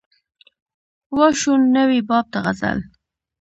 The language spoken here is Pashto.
وا شو نوی باب د غزل